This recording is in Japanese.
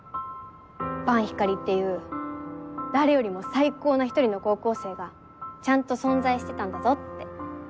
伴ひかりっていう誰よりも最高な一人の高校生がちゃんと存在してたんだぞって。